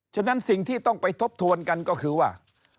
ฉะนั้นสิ่งที่ต้องไปทบทวนกันก็คือว่า